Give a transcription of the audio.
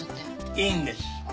いいんです。